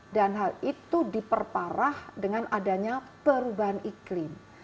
dan hal itu diperparah dengan adanya perubahan iklim